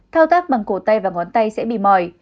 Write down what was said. thao tác bằng cổ tay và ngón tay sẽ bị mỏi